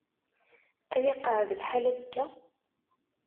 Ad iqeɛɛed lḥal azekka?